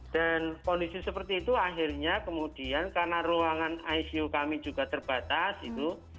dan kondisi seperti itu akhirnya kemudian karena ruangan icu kami juga terbatas itu